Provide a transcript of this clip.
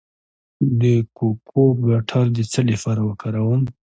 د کوکو بټر د څه لپاره وکاروم؟